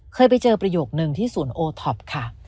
เคยไปเจอประโยคนึงที่ศูนย์โอท็อปค่ะ